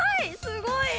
すごい。